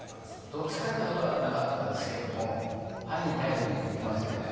どつかれたことはなかったですけども犯人逮捕に行きますよね